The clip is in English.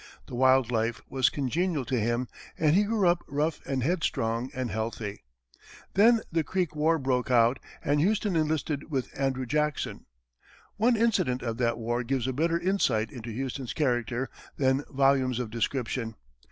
The wild life was congenial to him, and he grew up rough and head strong and healthy. Then the Creek war broke out, and Houston enlisted with Andrew Jackson. One incident of that war gives a better insight into Houston's character than volumes of description.